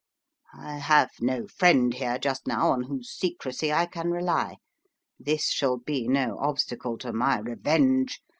"I have no friend here, just now, on whose secrecy I can rely. This shall be no obstacle to my revenge.